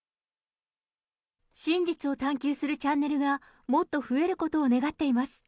真実を探求するチャンネルがもっと増えることを願っています。